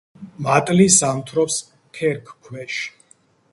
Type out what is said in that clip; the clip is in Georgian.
მატლი ზამთრობს ქერქქვეშ.